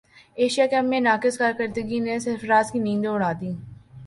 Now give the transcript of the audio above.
Asia cup میں ناقص کارکردگی نے سرفراز کی نیندیں اڑا دیں